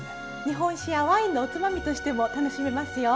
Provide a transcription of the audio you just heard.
日本酒やワインのおつまみとしても楽しめますよ。